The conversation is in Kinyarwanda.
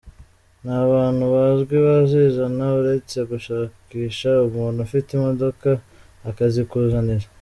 Nta bantu bazwi bazizana, uretse gushakisha umuntu ufite imodoka akazikuzanira.